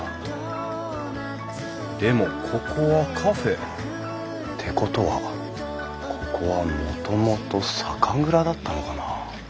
でもここはカフェってことはここはもともと酒蔵だったのかな？